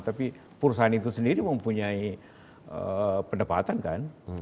tapi perusahaan itu sendiri mempunyai pendapatan kan